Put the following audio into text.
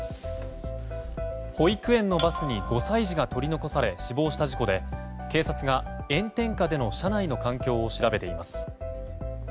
保育園のバスに５歳児が取り残され死亡した事故で警察が炎天下での車内の環境を調べています。